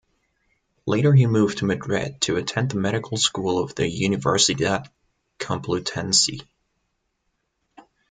Later he moved to Madrid to attend the Medical School of the Universidad Complutense.